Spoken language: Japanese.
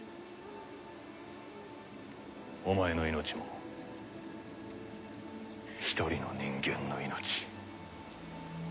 お前の命も一人の人間の命。